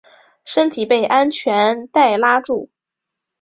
身体被安全带拉住